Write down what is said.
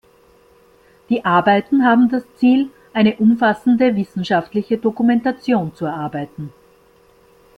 Die Arbeiten haben das Ziel, eine umfassende wissenschaftliche Dokumentation zu erarbeiten.